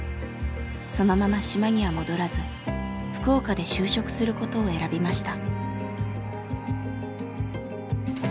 そのまま島には戻らず福岡で就職することを選びました。